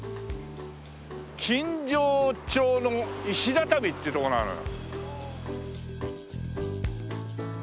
金城町の石畳っていうとこなのよ。